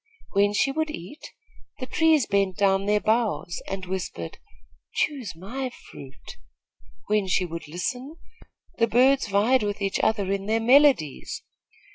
When she would eat, the trees bent down their boughs, and whispered, 'Choose my fruit.' When she would listen, the birds vied with each other in their melodies.